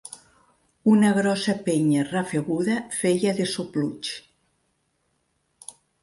Una grossa penya rafeguda feia de sopluig.